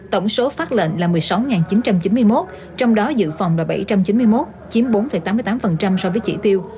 tổng số phát lệnh là một mươi sáu chín trăm chín mươi một trong đó dự phòng là bảy trăm chín mươi một chiếm bốn tám mươi tám so với chỉ tiêu